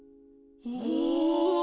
お！